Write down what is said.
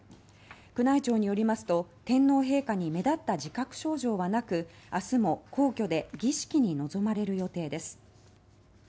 宮内庁によりますと、天皇陛下に目立った自覚症状はなく明日も皇居で儀式に臨まれる予定です。